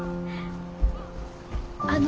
あの。